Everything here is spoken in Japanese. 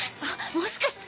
もしかして！